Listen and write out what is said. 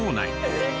えっ？